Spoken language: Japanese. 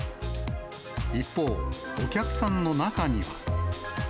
一方、お客さんの中には。